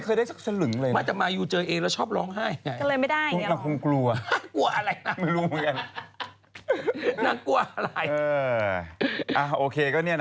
เขาจะดูกันมาแบบตั้งแต่นู่นเลย